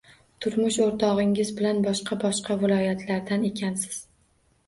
Turmush o`rtog`ingiz bilan boshqa-boshqa viloyatlardan ekansiz